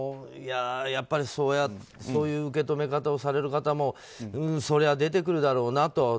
やっぱりそういう受け止め方をされる方もそりゃ出てくるだろうなと。